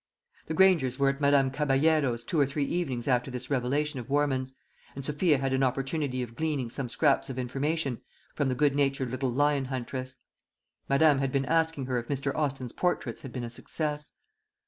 The Grangers were at Madame Caballero's two or three evenings after this revelation of Warman's, and Sophia had an opportunity of gleaning some scraps of information from the good natured little lion huntress. Madame had been asking her if Mr. Austin's portraits had been a success.